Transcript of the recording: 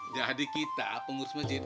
jadi kita pengurus masjid